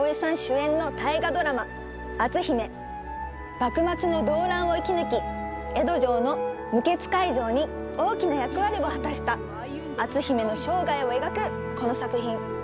幕末の動乱を生き抜き江戸城の無血開城に大きな役割を果たした篤姫の生涯を描くこの作品。